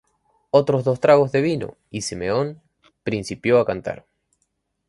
Otros dos tragos de vino, y Simeón principió a cantar.